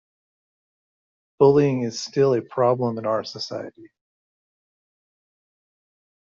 Bullying is still a problem in our society.